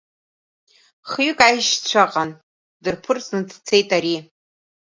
Хҩык аишьцәа аҟан, дырԥырҵны дцеит ари.